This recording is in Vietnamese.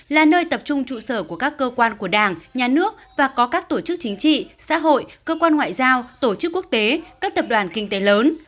là nơi tập trung trụ sở của các cơ quan của đảng nhà nước và có các tổ chức chính trị xã hội cơ quan ngoại giao tổ chức quốc tế các tập đoàn kinh tế lớn